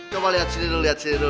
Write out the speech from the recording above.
coba lihat disini dulu